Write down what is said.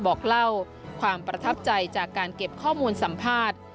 บอกเล่าความประทับใจจากการเก็บข้อมูลสัมภาษณ์